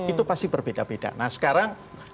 itu pasti berbeda beda nah sekarang